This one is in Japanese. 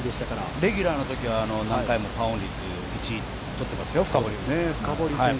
レギュラーの時は何回もパーオン率１位取ってますよ。